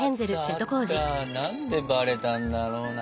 何でバレたんだろうな。